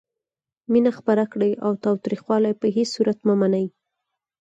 مینه خپره کړئ او تاوتریخوالی په هیڅ صورت مه منئ.